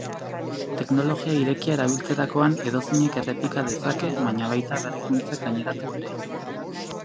Teknologia irekia erabiltzerakoan, edozeinek errepika dezake, baina baita berrikuntzak gaineratu ere.